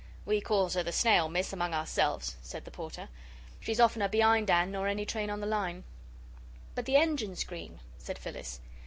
"We calls her the Snail, Miss, among ourselves," said the Porter. "She's oftener be'ind'and nor any train on the line." "But the engine's green," said Phyllis.